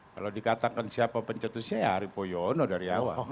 kalau dikatakan siapa pencetusnya ya arief poyono dari awal